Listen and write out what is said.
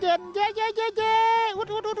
เย้อุดอุด